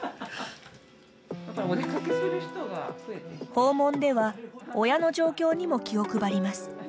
訪問では親の状況にも気を配ります。